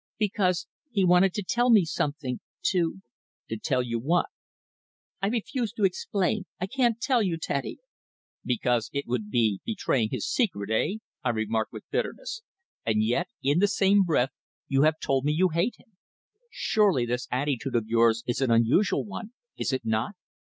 "Because he wanted to tell me something to " "To tell you what?" "I refuse to explain I can't tell you, Teddy." "Because it would be betraying his secret eh?" I remarked with bitterness. "And, yet, in the same breath you have told me you hate him. Surely, this attitude of yours is an unusual one is it not?